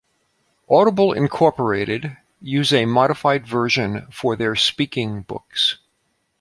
Audible Incorporated use a modified version for their speaking books.